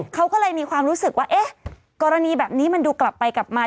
เขาก็เลยมีความรู้สึกว่าเอ๊ะกรณีแบบนี้มันดูกลับไปกลับมา